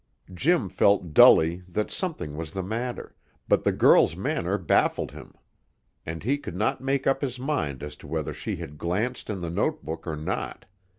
Jim felt dully that something was the matter, but the girl's manner baffled him, and he could not make up his mind as to whether she had glanced in the note book or not.